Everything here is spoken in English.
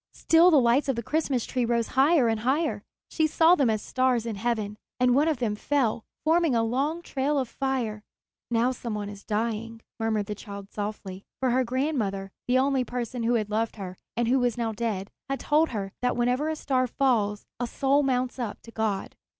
Still the lights of the Christmas tree rose higher and higher. She saw them as stars in heaven, and one of them fell, forming a long trail of fire. "Now some one is dying," murmured the child softly; for her grandmother, the only person who had loved her and who was now dead, had told her that whenever a star falls a soul mounts up to God.